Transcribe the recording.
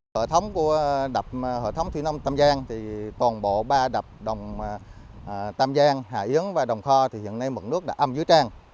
hệ thống của đập hệ thống thủy nông tam giang toàn bộ ba đập đồng tam giang hà yến và đồng kho thì hiện nay mực nước đã âm dưới trang